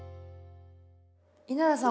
稲田さん